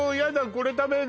これ食べる